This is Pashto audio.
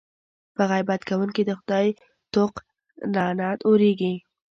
په غیبت کوونکي د خدای طوق لعنت اورېږي.